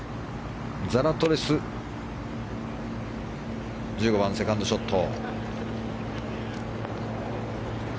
ザラトリス１５番、セカンドショット。